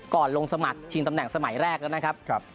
ลงสมัครชิงตำแหน่งสมัยแรกแล้วนะครับ